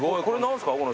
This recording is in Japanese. これ何すか？